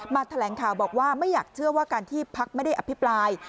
แถลงข่าวบอกว่าไม่อยากเชื่อว่าการที่พักไม่ได้อภิปราย